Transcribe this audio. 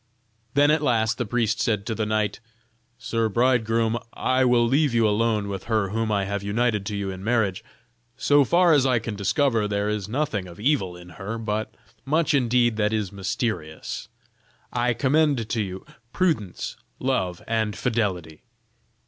Then at last the priest said to the knight: "Sir bridegroom, I will leave you alone with her whom I have united to you in marriage. So far as I can discover there is nothing of evil in her, but much indeed that is mysterious. I commend to you prudence, love, and fidelity."